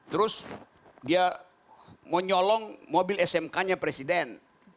terus dia mau nyolong mobil smk nya presiden